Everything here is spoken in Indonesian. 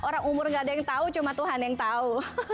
orang umur gak ada yang tahu cuma tuhan yang tahu